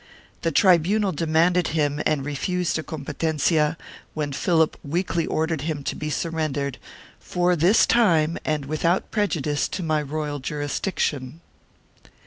The tribunal demanded him and refused a compe tencia, when Philip weakly ordered him to be surrendered "for this time and without prejudice to my royal jurisdiction."